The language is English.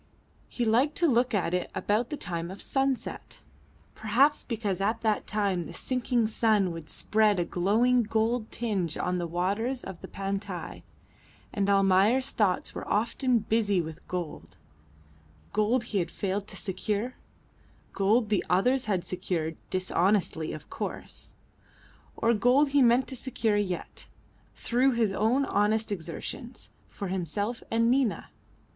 He liked to look at it about the time of sunset; perhaps because at that time the sinking sun would spread a glowing gold tinge on the waters of the Pantai, and Almayer's thoughts were often busy with gold; gold he had failed to secure; gold the others had secured dishonestly, of course or gold he meant to secure yet, through his own honest exertions, for himself and Nina.